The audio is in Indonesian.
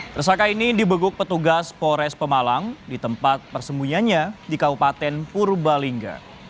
tersangka ini dibekuk petugas pores pemalang di tempat persembunyiannya di kabupaten purbalingga